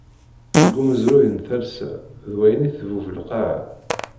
Seg umezruy n talsa d wayen i tbub lqaɛa.